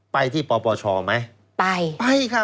ไปที่ปปชไหม